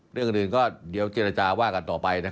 เรื่องอื่นก็เดี๋ยวเจรจาว่ากันต่อไป